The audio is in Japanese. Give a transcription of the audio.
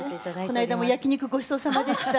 こないだも焼き肉ごちそうさまでした。